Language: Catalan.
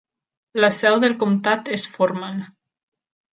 La seu del comtat és Forman.